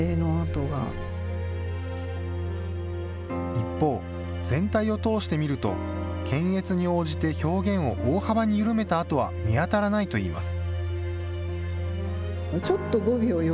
一方、全体を通して見ると、検閲に応じて表現を大幅に緩めたあとは見当たらないといいます。